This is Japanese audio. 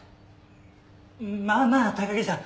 まあまあ高木さん。